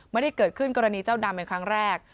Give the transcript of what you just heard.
ไม่ได้เกิดขึ้นกรณีเจ้าดำเป็นครั้งแรก